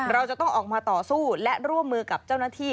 เราจะต้องออกมาต่อสู้และร่วมมือกับเจ้าหน้าที่